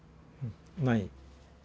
ない。